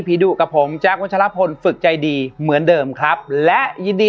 ดุกับผมแจ๊ควัชลพลฝึกใจดีเหมือนเดิมครับและยินดี